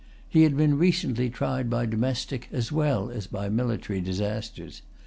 He had been recently[Pg 321] tried by domestic as well as by military disasters.